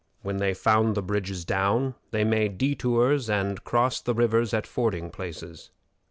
When they found the bridges down, they made detours and crossed the rivers at fording places.